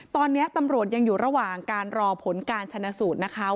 ตอนนี้ตำรวจยังอยู่ระหว่างการรอผลการชนะสูตรนะคะ